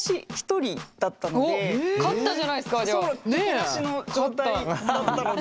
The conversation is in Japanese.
敵なしの状態だったので。